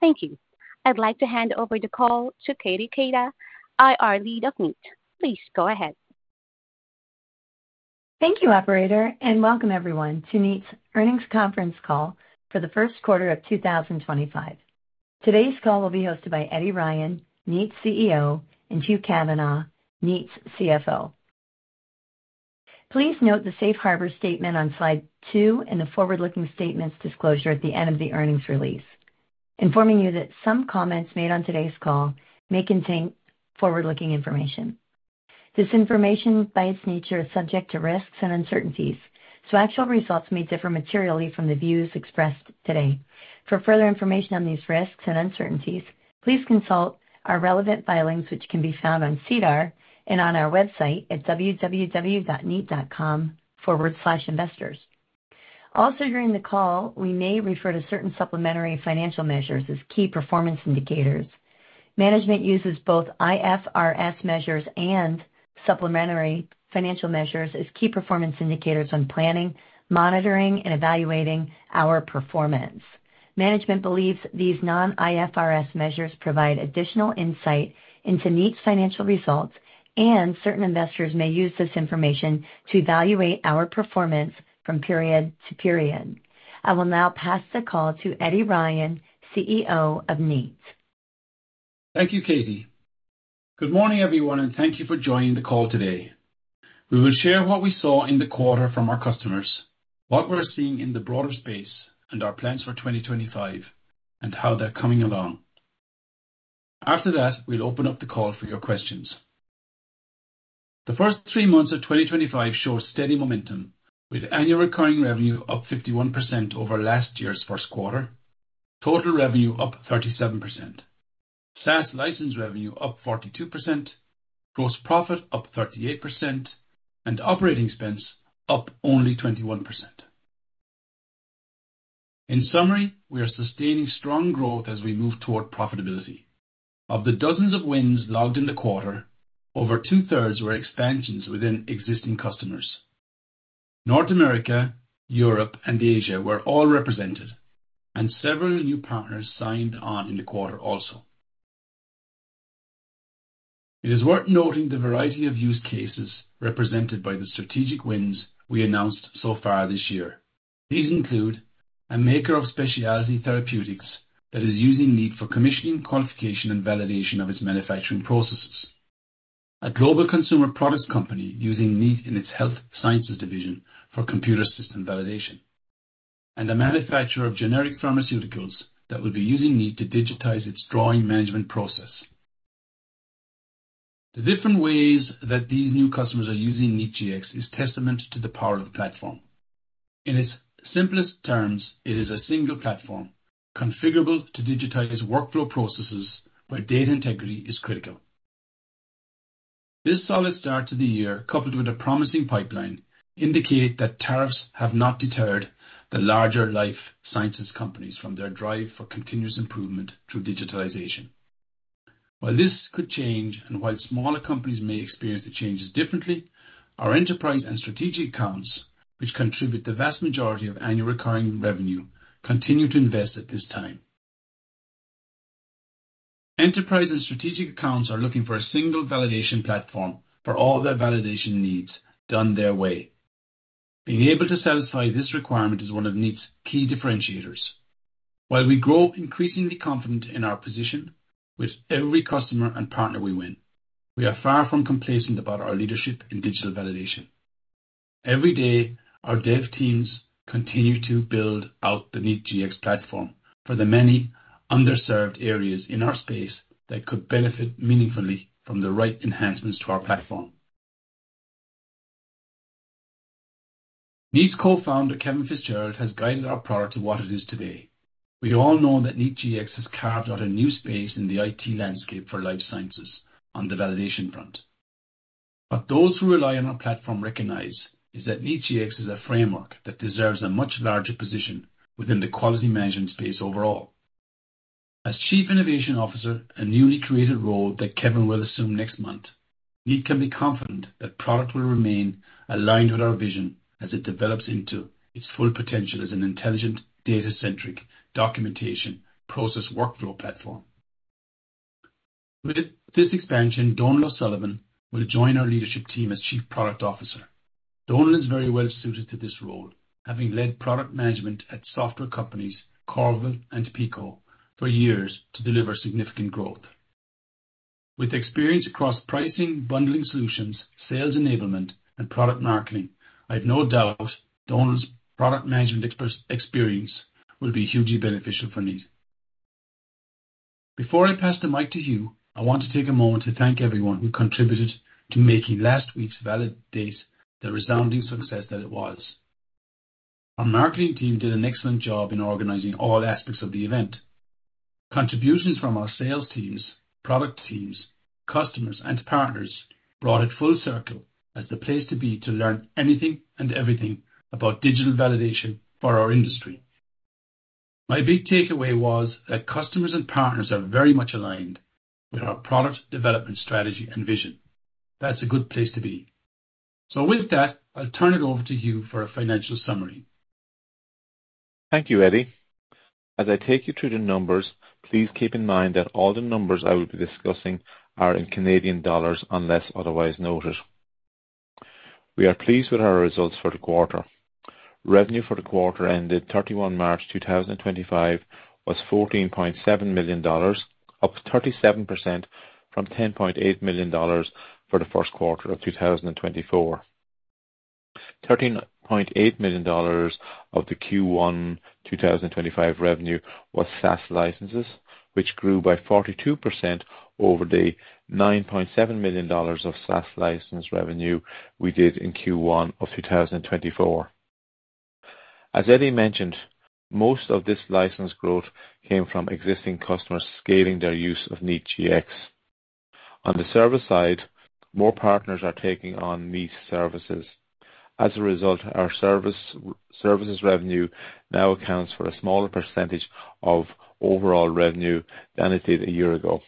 Thank you. I'd like to hand over the call to Katie Keita, IR Lead of Kneat. Please go ahead. Thank you, Operator, and welcome everyone to Kneat's earnings conference call for the first quarter of 2025. Today's call will be hosted by Eddie Ryan, Kneat CEO, and Hugh Kavanagh, Kneat's CFO. Please note the safe harbor statement on slide two and the forward-looking statements disclosure at the end of the earnings release, informing you that some comments made on today's call may contain forward-looking information. This information, by its nature, is subject to risks and uncertainties, so actual results may differ materially from the views expressed today. For further information on these risks and uncertainties, please consult our relevant filings, which can be found on SEDAR and on our website at www.kneat.com/investors. Also, during the call, we may refer to certain supplementary financial measures as key performance indicators. Management uses both IFRS measures and supplementary financial measures as key performance indicators when planning, monitoring, and evaluating our performance. Management believes these non-IFRS measures provide additional insight into Kneat's financial results, and certain investors may use this information to evaluate our performance from period to period. I will now pass the call to Eddie Ryan, CEO of Kneat. Thank you, Katie. Good morning, everyone, and thank you for joining the call today. We will share what we saw in the quarter from our customers, what we're seeing in the broader space, and our plans for 2025, and how they're coming along. After that, we'll open up the call for your questions. The first three months of 2025 show steady momentum, with annual recurring revenue up 51% over last year's first quarter, total revenue up 37%, SaaS license revenue up 42%, gross profit up 38%, and operating expense up only 21%. In summary, we are sustaining strong growth as we move toward profitability. Of the dozens of wins logged in the quarter, over two-thirds were expansions within existing customers. North America, Europe, and Asia were all represented, and several new partners signed on in the quarter also. It is worth noting the variety of use cases represented by the strategic wins we announced so far this year. These include a maker of specialty therapeutics that is using Kneat for commissioning, qualification, and validation of its manufacturing processes, a global consumer products company using Kneat in its health sciences division for computer system validation, and a manufacturer of generic pharmaceuticals that will be using Kneat to digitize its drawing management process. The different ways that these new customers are using Kneat GX is testament to the power of the platform. In its simplest terms, it is a single platform configurable to digitize workflow processes, where data integrity is critical. This solid start to the year, coupled with a promising pipeline, indicates that tariffs have not deterred the larger life sciences companies from their drive for continuous improvement through digitalization. While this could change, and while smaller companies may experience the changes differently, our enterprise and strategic accounts, which contribute the vast majority of annual recurring revenue, continue to invest at this time. Enterprise and strategic accounts are looking for a single validation platform for all their validation needs done their way. Being able to satisfy this requirement is one of Kneat's key differentiators. While we grow increasingly confident in our position with every customer and partner we win, we are far from complacent about our leadership in digital validation. Every day, our dev teams continue to build out the Kneat GX platform for the many underserved areas in our space that could benefit meaningfully from the right enhancements to our platform. Kneat's co-founder, Kevin Fitzgerald, has guided our product to what it is today. We all know that Kneat GX has carved out a new space in the IT landscape for life sciences on the validation front. Those who rely on our platform recognize that Kneat GX is a framework that deserves a much larger position within the quality management space overall. As Chief Innovation Officer, a newly created role that Gavin will assume next month, Kneat can be confident that the product will remain aligned with our vision as it develops into its full potential as an intelligent, data-centric documentation process workflow platform. With this expansion, Donald O'Sullivan will join our leadership team as Chief Product Officer. Donald is very well suited to this role, having led product management at software companies Corvil and Pico for years to deliver significant growth. With experience across pricing, bundling solutions, sales enablement, and product marketing, I have no doubt Donald's product management experience will be hugely beneficial for Kneat. Before I pass the mic to Hugh, I want to take a moment to thank everyone who contributed to making last week's VALIDATE the resounding success that it was. Our marketing team did an excellent job in organizing all aspects of the event. Contributions from our sales teams, product teams, customers, and partners brought it full circle as the place to be to learn anything and everything about digital validation for our industry. My big takeaway was that customers and partners are very much aligned with our product development strategy and vision. That is a good place to be. With that, I'll turn it over to Hugh for a financial summary. Thank you, Eddie. As I take you through the numbers, please keep in mind that all the numbers I will be discussing are in Canadian dollars unless otherwise noted. We are pleased with our results for the quarter. Revenue for the quarter ended 31st March 2025 was 14.7 million dollars, up 37% from 10.8 million dollars for the first quarter of 2024. 13.8 million dollars of the Q1 2025 revenue was SaaS licenses, which grew by 42% over the 9.7 million dollars of SaaS license revenue we did in Q1 of 2024. As Eddie mentioned, most of this license growth came from existing customers scaling their use of Kneat GX. On the service side, more partners are taking on Kneat services. As a result, our services revenue now accounts for a smaller percentage of overall revenue than it did a year ago.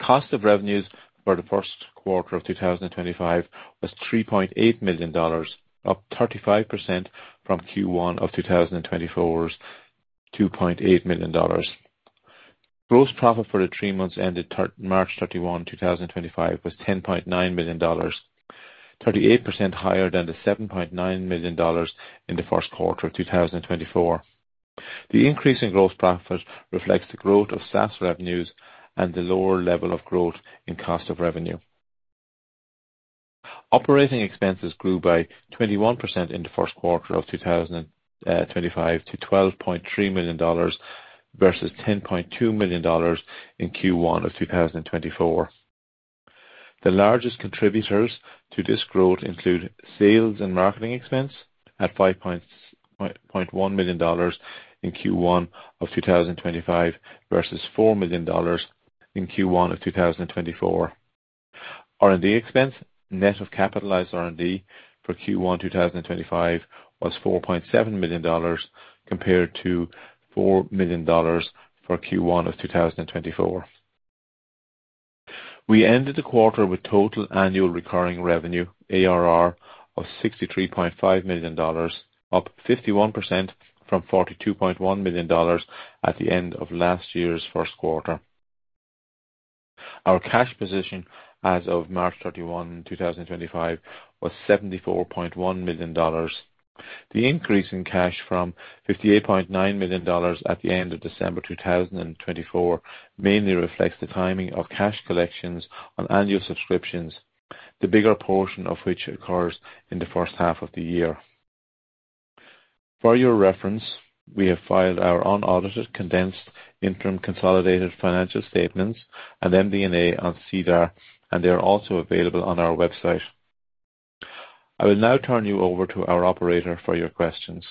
Cost of revenues for the first quarter of 2025 was 3.8 million dollars, up 35% from Q1 of 2024's 2.8 million dollars. Gross profit for the three months ended March 31st, 2025, was CAD 10.9 million, 38% higher than the CAD 7.9 million in the first quarter of 2024. The increase in gross profit reflects the growth of SaaS revenues and the lower level of growth in cost of revenue. Operating expenses grew by 21% in the first quarter of 2025 to 12.3 million dollars versus 10.2 million dollars in Q1 of 2024. The largest contributors to this growth include sales and marketing expense at 5.1 million dollars in Q1 of 2025 versus 4 million dollars in Q1 of 2024. R&D expense, net of capitalized R&D for Q1 2025, was CAD 4.7 million compared to CAD 4 million for Q1 of 2024. We ended the quarter with total annual recurring revenue, ARR, of 63.5 million dollars, up 51% from 42.1 million dollars at the end of last year's first quarter. Our cash position as of March 31st, 2025, was CAD 74.1 million. The increase in cash from CAD 58.9 million at the end of December 2024 mainly reflects the timing of cash collections on annual subscriptions, the bigger portion of which occurs in the first half of the year. For your reference, we have filed our unaudited, condensed, interim, consolidated financial statements and MD&A on SEDAR, and they are also available on our website. I will now turn you over to our Operator for your questions.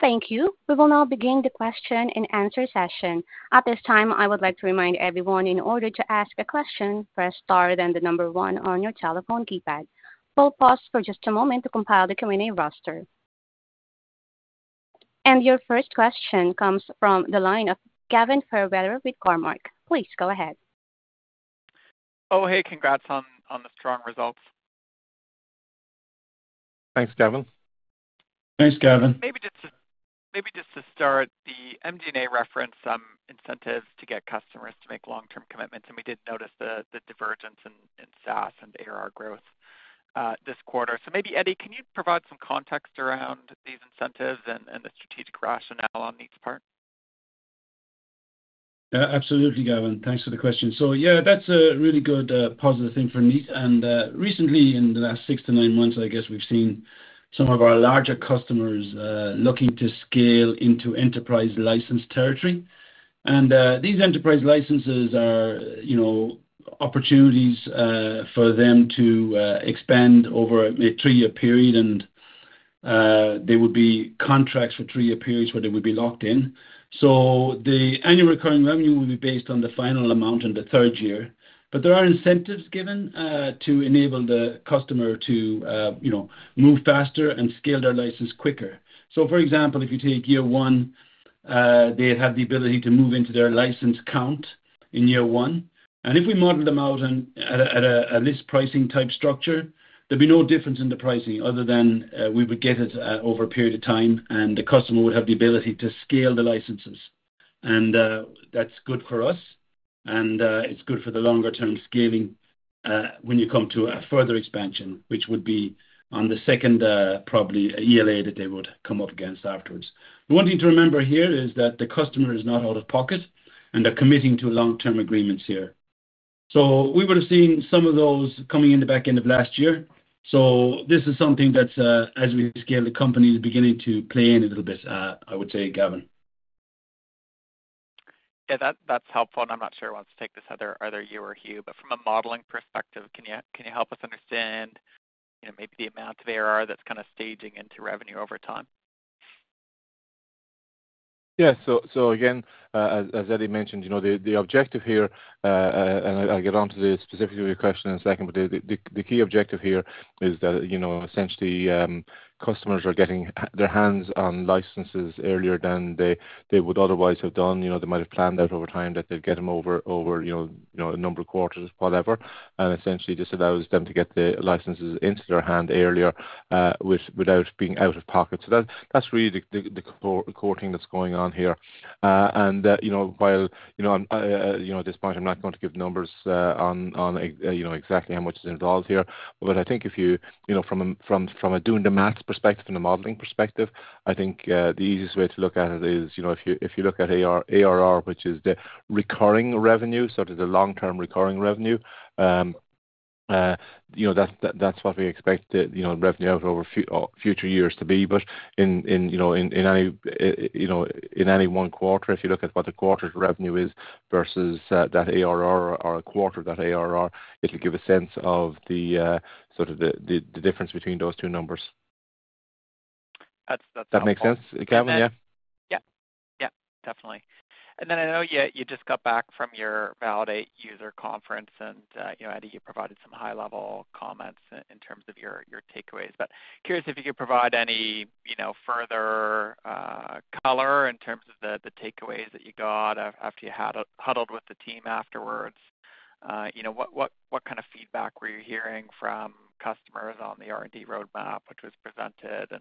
Thank you. We will now begin the question-and-answer session. At this time, I would like to remind everyone, in order to ask a question, press star then the number one on your telephone keypad. We'll pause for just a moment to compile the Q&A roster. Your first question comes from the line of Gavin Fairweather with Cormark. Please go ahead. Oh, hey. Congrats on the strong results. Thanks, gavin. Thanks, Gavin. Maybe just to start, the MD&A referenced some incentives to get customers to make long-term commitments, and we did notice the divergence in SaaS and ARR growth this quarter. Maybe, Eddie, can you provide some context around these incentives and the strategic rationale on Kneat's part? Absolutely, Gavin. Thanks for the question. Yeah, that's a really good positive thing for Kneat. Recently, in the last six to nine months, I guess we've seen some of our larger customers looking to scale into enterprise license territory. These enterprise licenses are opportunities for them to expand over a three-year period, and there would be contracts for three-year periods where they would be locked in. The annual recurring revenue will be based on the final amount in the third year. There are incentives given to enable the customer to move faster and scale their license quicker. For example, if you take year one, they'd have the ability to move into their license count in year one. If we model them out at a list pricing type structure, there would be no difference in the pricing other than we would get it over a period of time, and the customer would have the ability to scale the licenses. That is good for us, and it is good for the longer-term scaling when you come to a further expansion, which would be on the second, probably, ELA that they would come up against afterwards. The one thing to remember here is that the customer is not out of pocket, and they are committing to long-term agreements here. We would have seen some of those coming in the back end of last year. This is something that is, as we scale the company, beginning to play in a little bit, I would say, Gavin. Yeah, that's helpful. I'm not sure who wants to take this either, either you or Hugh. From a modeling perspective, can you help us understand maybe the amount of ARR that's kind of staging into revenue over time? Yeah. Again, as Eddie mentioned, the objective here, and I'll get on to the specificity of your question in a second, but the key objective here is that, essentially, customers are getting their hands on licenses earlier than they would otherwise have done. They might have planned out over time that they'd get them over a number of quarters, whatever, and essentially this allows them to get the licenses into their hand earlier without being out of pocket. That's really the core thing that's going on here. While at this point, I'm not going to give numbers on exactly how much is involved here, I think if you, from a doing-the-maths perspective and a modeling perspective, I think the easiest way to look at it is if you look at ARR, which is the recurring revenue, so it is a long-term recurring revenue, that's what we expect the revenue out over future years to be. In any one quarter, if you look at what the quarter's revenue is versus that ARR or a quarter of that ARR, it'll give a sense of sort of the difference between those two numbers. That's helpful. That makes sense, Gavin? Yeah? Yeah. Yeah. Definitely. I know you just got back from your validate user conference, and Eddie, you provided some high-level comments in terms of your takeaways. Curious if you could provide any further color in terms of the takeaways that you got after you had huddled with the team afterwards. What kind of feedback were you hearing from customers on the R&D roadmap, which was presented, and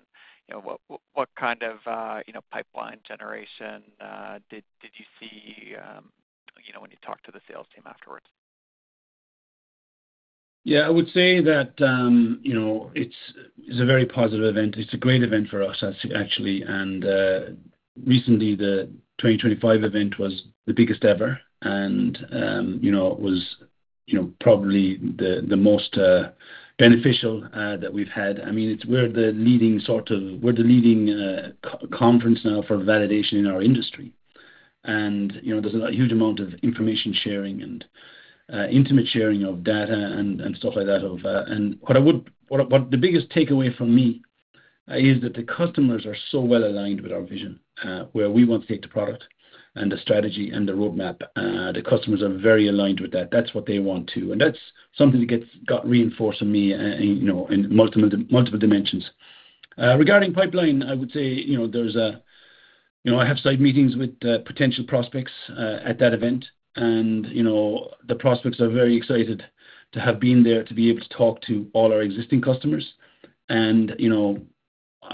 what kind of pipeline generation did you see when you talked to the sales team afterwards? Yeah. I would say that it's a very positive event. It's a great event for us, actually. Recently, the 2025 event was the biggest ever, and it was probably the most beneficial that we've had. I mean, we're the leading sort of, we're the leading conference now for validation in our industry. There's a huge amount of information sharing and intimate sharing of data and stuff like that. What the biggest takeaway for me is that the customers are so well aligned with our vision, where we want to take the product and the strategy and the roadmap. The customers are very aligned with that. That's what they want too. That's something that got reinforced for me in multiple dimensions. Regarding pipeline, I would say I have side meetings with potential prospects at that event, and the prospects are very excited to have been there to be able to talk to all our existing customers.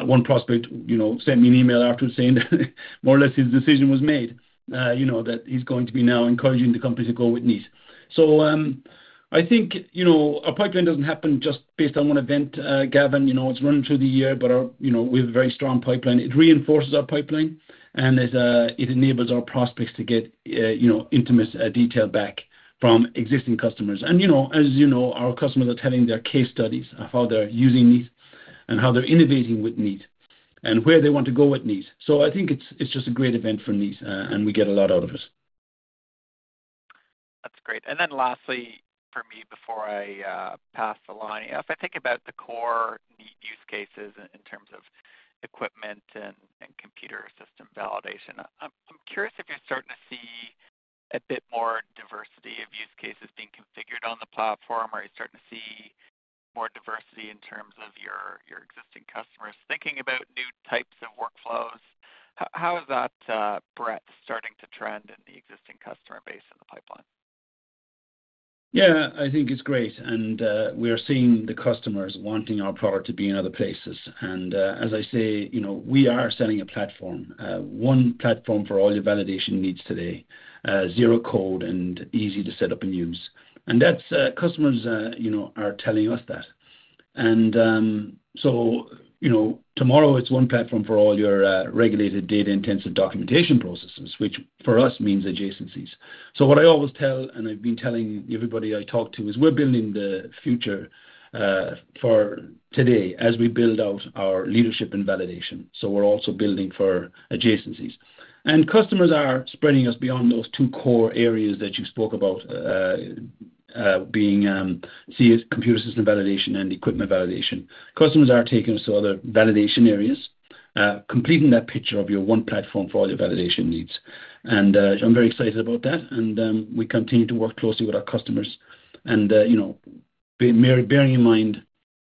One prospect sent me an email afterwards saying that more or less his decision was made, that he's going to be now encouraging the company to go with Kneat. I think a pipeline doesn't happen just based on one event, Gavin. It is run through the year, but with a very strong pipeline, it reinforces our pipeline, and it enables our prospects to get intimate detail back from existing customers. As you know, our customers are telling their case studies of how they're using Kneat and how they're innovating with Kneat and where they want to go with Kneat. I think it's just a great event for Kneat, and we get a lot out of it. That's great. Lastly, for me, before I pass the line, if I think about the core Kneat use cases in terms of equipment and computer system validation, I'm curious if you're starting to see a bit more diversity of use cases being configured on the platform, or are you starting to see more diversity in terms of your existing customers thinking about new types of workflows? How is that breadth starting to trend in the existing customer base and the pipeline? Yeah. I think it's great. We are seeing the customers wanting our product to be in other places. As I say, we are selling a platform, one platform for all your validation needs today, zero code and easy to set up and use. Customers are telling us that. Tomorrow, it's one platform for all your regulated data-intensive documentation processes, which for us means adjacencies. What I always tell, and I have been telling everybody I talk to, is we're building the future for today as we build out our leadership in validation. We are also building for adjacencies. Customers are spreading us beyond those two core areas that you spoke about, being computer system validation and equipment validation. Customers are taking us to other validation areas, completing that picture of your one platform for all your validation needs. I am very excited about that. We continue to work closely with our customers, bearing in mind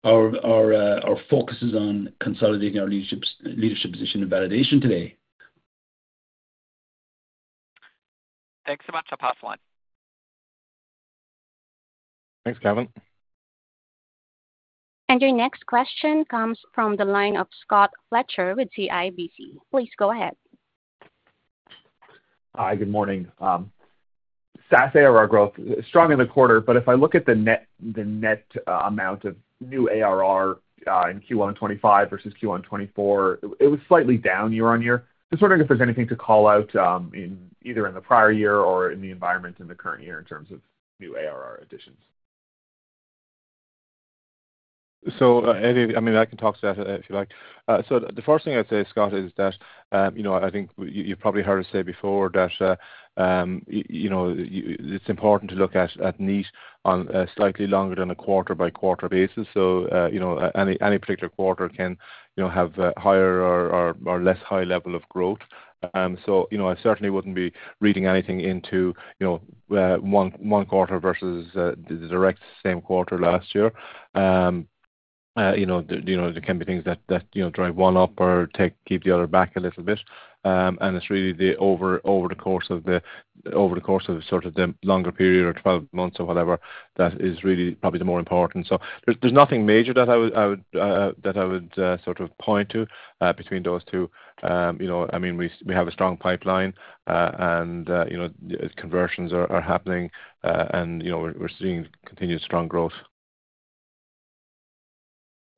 our focus is on consolidating our leadership position in validation today. Thanks so much. I'll pass the line. Thanks, Gavin. Your next question comes from the line of Scott Fletcher with CIBC. Please go ahead. Hi. Good morning. SaaS ARR growth, strong in the quarter, but if I look at the net amount of new ARR in Q1 2025 versus Q1 2024, it was slightly down year on year. Just wondering if there's anything to call out either in the prior year or in the environment in the current year in terms of new ARR additions. I mean, I can talk to that if you like. The first thing I'd say, Scott, is that I think you've probably heard us say before that it's important to look at Kneat on a slightly longer than a quarter-by-quarter basis. Any particular quarter can have a higher or less high level of growth. I certainly wouldn't be reading anything into one quarter versus the direct same quarter last year. There can be things that drive one up or keep the other back a little bit. It's really over the course of the longer period or 12 months or whatever that is really probably the more important. There's nothing major that I would sort of point to between those two. I mean, we have a strong pipeline, and conversions are happening, and we're seeing continued strong growth.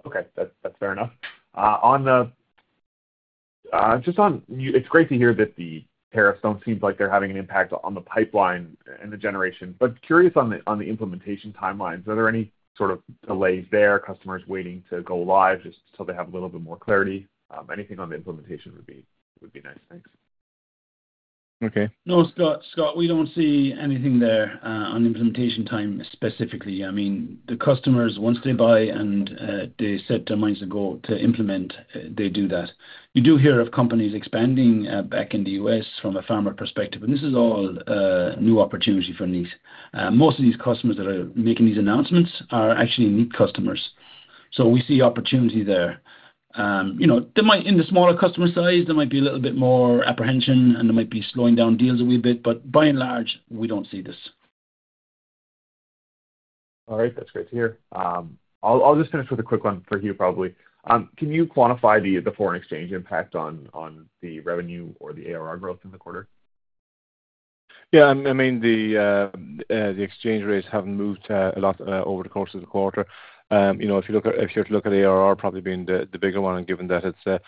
Okay. That's fair enough. Just on, it's great to hear that the tariffs don't seem like they're having an impact on the pipeline and the generation. Curious on the implementation timelines. Are there any sort of delays there, customers waiting to go live just till they have a little bit more clarity? Anything on the implementation would be nice. Thanks. Okay. No, Scott, we don't see anything there on implementation time specifically. I mean, the customers, once they buy and they set their minds to go to implement, they do that. You do hear of companies expanding back in the U.S. from a pharma perspective, and this is all a new opportunity for Kneat. Most of these customers that are making these announcements are actually Kneat customers. We see opportunity there. In the smaller customer size, there might be a little bit more apprehension, and there might be slowing down deals a wee bit. By and large, we don't see this. All right. That's great to hear. I'll just finish with a quick one for Hugh, probably. Can you quantify the foreign exchange impact on the revenue or the ARR growth in the quarter? Yeah. I mean, the exchange rates haven't moved a lot over the course of the quarter. If you were to look at ARR, probably being the bigger one, and given that it's a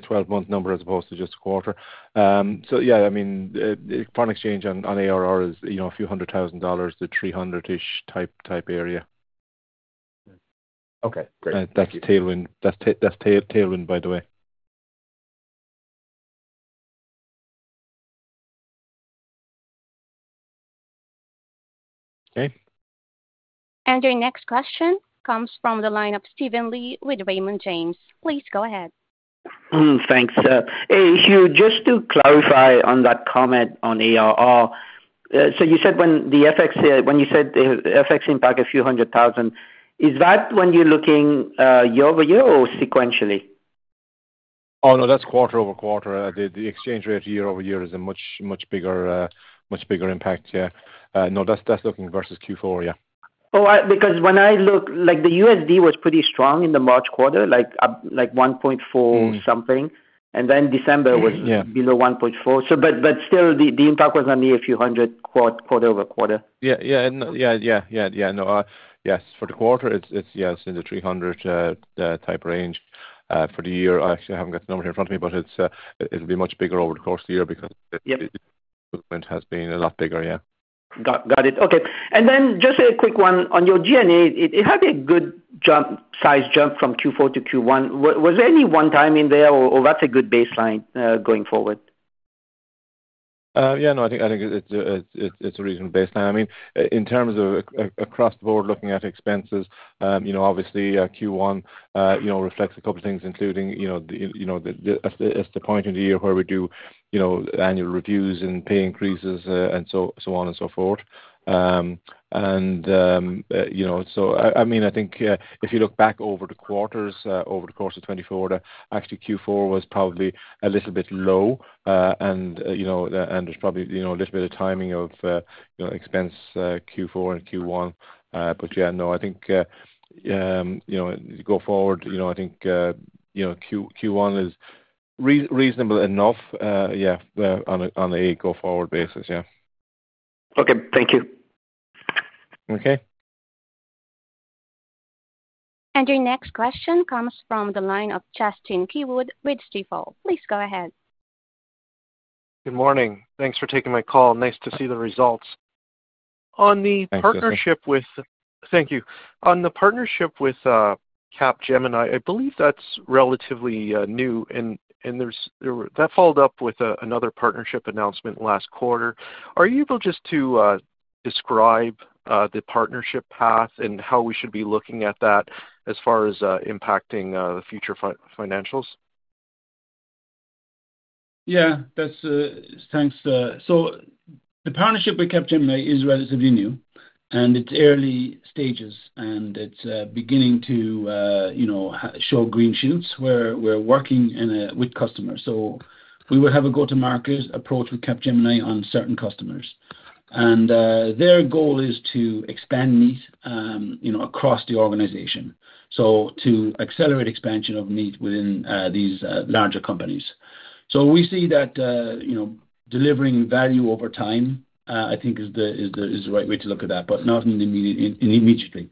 12-month number as opposed to just a quarter. Yeah, I mean, foreign exchange on ARR is a few hundred thousand dollars to 300,000-ish type area. Okay. Great. That's tailwind, by the way. Okay. Your next question comes from the line of Steven Lee with Raymond James. Please go ahead. Thanks. Hugh, just to clarify on that comment on ARR, so you said when you said the FX impact a few hundred thousand, is that when you're looking year over year or sequentially? Oh, no, that's quarter over quarter. The exchange rate year over year is a much bigger impact. Yeah. No, that's looking versus Q4. Yeah. Oh, because when I look, the USD was pretty strong in the March quarter, like 1.4 something. December was below 1.4. Still, the impact was only a few hundred quarter over quarter. Yeah. No. Yes. For the quarter, it's in the 300-type range. For the year, I actually haven't got the number here in front of me, but it'll be much bigger over the course of the year because the movement has been a lot bigger. Yeah. Got it. Okay. And then just a quick one on your G&A. It had a good size jump from Q4 to Q1. Was there any one time in there, or that's a good baseline going forward? Yeah. No, I think it's a reasonable baseline. I mean, in terms of across the board looking at expenses, obviously, Q1 reflects a couple of things, including it's the point in the year where we do annual reviews and pay increases and so on and so forth. I mean, I think if you look back over the quarters, over the course of 2024, actually Q4 was probably a little bit low, and there's probably a little bit of timing of expense Q4 and Q1. Yeah, no, I think go forward, I think Q1 is reasonable enough, yeah, on a go forward basis. Yeah. Okay. Thank you. Okay. Your next question comes from the line of Justin Keywood with Stifel. Please go ahead. Good morning. Thanks for taking my call. Nice to see the results. On the partnership with. Thank you. On the partnership with Capgemini, I believe that's relatively new, and that followed up with another partnership announcement last quarter. Are you able just to describe the partnership path and how we should be looking at that as far as impacting future financials? Yeah. Thanks. The partnership with Capgemini is relatively new, and it's early stages, and it's beginning to show green shoots. We're working with customers. We will have a go-to-market approach with Capgemini on certain customers. Their goal is to expand Kneat across the organization, to accelerate expansion of Kneat within these larger companies. We see that delivering value over time, I think, is the right way to look at that, but not immediately.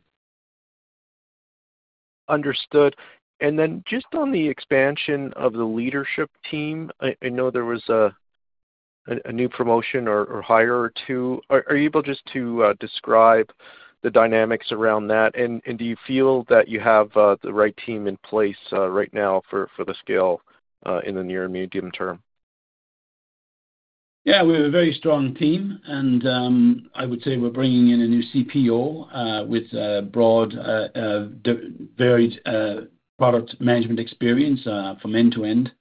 Understood. And then just on the expansion of the leadership team, I know there was a new promotion or hire or two. Are you able just to describe the dynamics around that? And do you feel that you have the right team in place right now for the scale in the near and medium term? Yeah. We have a very strong team, and I would say we're bringing in a new CPO with a broad, varied product management experience from end to end.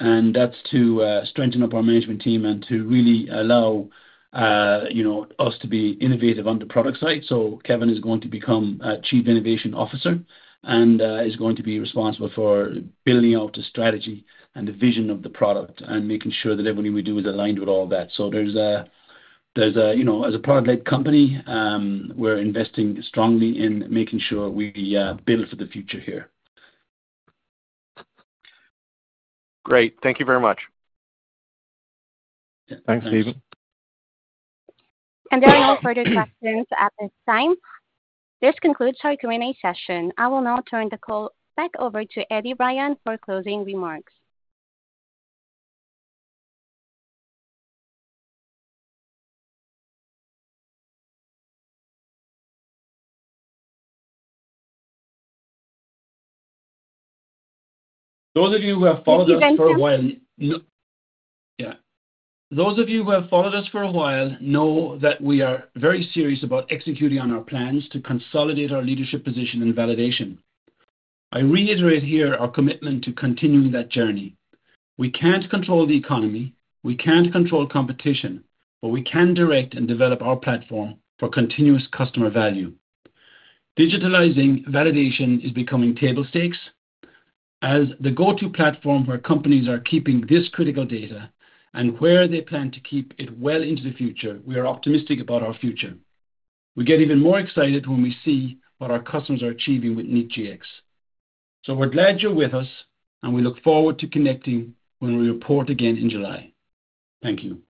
That is to strengthen up our management team and to really allow us to be innovative on the product side. Kevin is going to become Chief Innovation Officer and is going to be responsible for building out the strategy and the vision of the product and making sure that everything we do is aligned with all that. As a product-led company, we're investing strongly in making sure we build for the future here. Great. Thank you very much. Thanks, Stephen. There are no further questions at this time. This concludes our Q&A session. I will now turn the call back over to Eddie Ryan for closing remarks. Those of you who have followed us for a while. Stephen Keita. Yeah. Those of you who have followed us for a while know that we are very serious about executing on our plans to consolidate our leadership position in validation. I reiterate here our commitment to continuing that journey. We can't control the economy. We can't control competition, but we can direct and develop our platform for continuous customer value. Digitalizing validation is becoming table stakes. As the go-to platform where companies are keeping this critical data and where they plan to keep it well into the future, we are optimistic about our future. We get even more excited when we see what our customers are achieving with Kneat GX. We are glad you're with us, and we look forward to connecting when we report again in July. Thank you.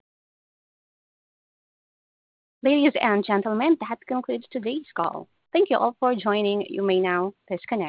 Ladies and gentlemen, that concludes today's call. Thank you all for joining. You may now disconnect.